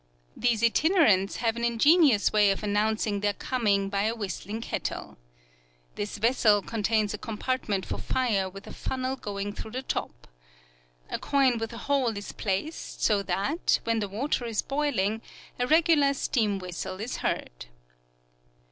These itinerants have an ingenious way of announcing their coming by a whistling kettle. This vessel contains a compartment for fire with a funnel going through the top. A coin with a hole is placed so that when the water is boiling a regular steam whistle is heard.